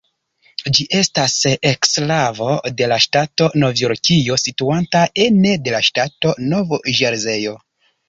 Ĝi estas eksklavo de la ŝtato Novjorkio situanta ene de la ŝtato Nov-Ĵerzejo.